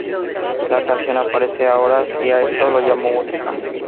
La canción aparece en Ahora sí a esto lo llamó música!